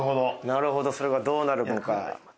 なるほどそれがどうなるのか。